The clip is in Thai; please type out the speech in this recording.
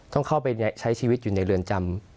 ต้องเข้าไปใช้ชีวิตอยู่ในเรือนจำ